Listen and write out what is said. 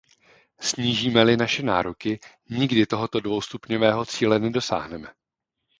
Snížíme-li naše nároky, nikdy tohoto dvoustupňového cíle nedosáhneme.